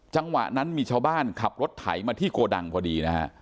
จังหวะนั้นมีชาวบ้านขับรถไถมาที่โกดังพอดีนะฮะ